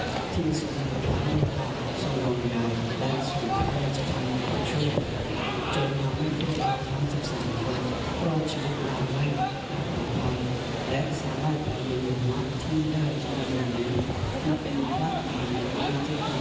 และสามารถเป็นคนที่ได้ช่วยงานนั้นและเป็นคนที่จะช่วยงาน